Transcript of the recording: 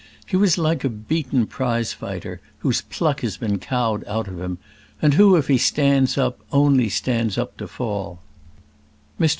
He was like a beaten prize fighter, whose pluck has been cowed out of him, and who, if he stands up, only stands up to fall.